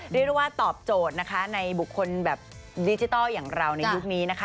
เรียกได้ว่าตอบโจทย์นะคะในบุคคลแบบดิจิทัลอย่างเราในยุคนี้นะคะ